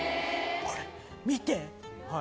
これ見て。